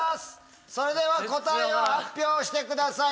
それでは答えを発表してください。